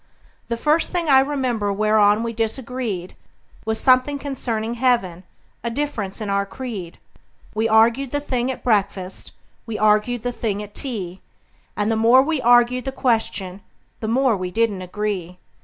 The first thing I remember whereon we disagreed Was something concerning heaven a difference in our creed; We arg'ed the thing at breakfast, we arg'ed the thing at tea, And the more we arg'ed the question the more we didn't agree.